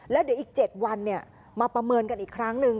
แล้วเดี๋ยวอีก๗วันมาประเมินกันอีกครั้งหนึ่ง